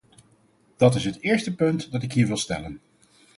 Dat is het eerste punt dat ik hier wil stellen.